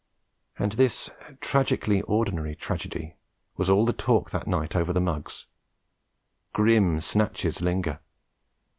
And this tragically ordinary tragedy was all the talk that night over the mugs. Grim snatches linger.